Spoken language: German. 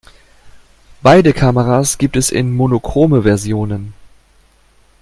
Beide Kameras gibt es in Monochrome Versionen.